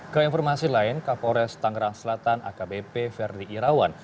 keinformasi lain kapolres tanggerang selatan akbp verdi irawan